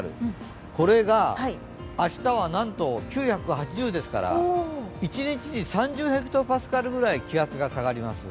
これが明日はなんと９８０ですから一日に３０ｈＰａくらい気圧が下がります。